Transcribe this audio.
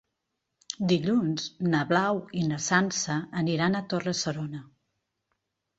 Dilluns na Blau i na Sança aniran a Torre-serona.